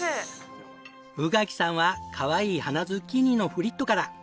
宇垣さんはかわいい花ズッキーニのフリットから。